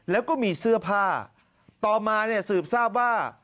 แล้วก็มีเสื้อผ้าต่อมาเนี่ยสืบทราบว่า